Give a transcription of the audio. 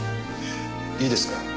いいですか？